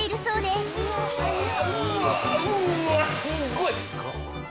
すっごい！